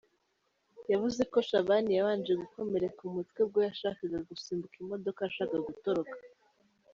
Yavuze ko “Shabani yabanje gukomereka umutwe ubwo yashakaga gusimbuka imodoka ashaka gutoroka.